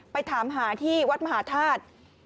ไปถามหาที่วัดมหาธาตุ